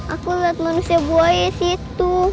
aku liat manusia buaya disitu